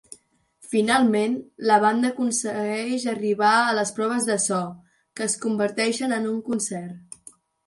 Finalment, la banda aconsegueix arribar al les proves de so, que es converteixen en un concert.